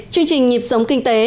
chương trình nhịp sống kinh tế